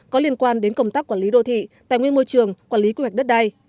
có liên quan đến công tác quản lý đô thị tài nguyên môi trường quản lý quy hoạch đất đai